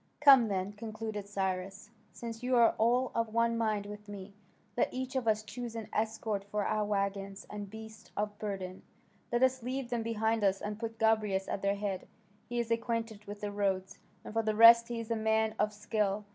"Come then," concluded Cyrus, "since you are all of one mind with me, let each of us choose an escort for our waggons and beasts of burden. Let us leave them behind us, and put Gobryas at their head. He is acquainted with the roads, and for the rest he is a man of skill.